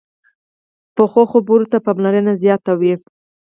پخو خبرو ته پاملرنه زیاته وي